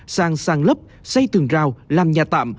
sang sàng lấp xây tường rào làm nhà tạm